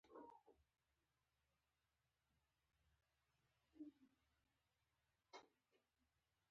ما له هغه ځایه د حالاتو ننداره کوله